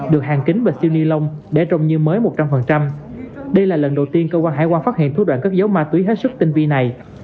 đây là lần đầu tiên cơ quan hải quan phát hiện thuốc đoạn cất dấu ma túy hết sức tinh vi này